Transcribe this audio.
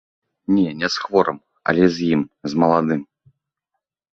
Не, не з хворым, але з ім, з маладым.